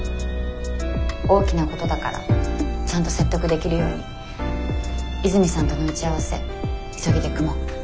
大きなことだからちゃんと説得できるように泉さんとの打ち合わせ急ぎで組もう。